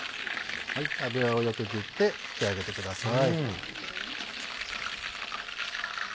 油をよく振って引き上げてください。